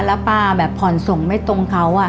แล้วป้าแบบผ่อนส่งไม่ตรงเขา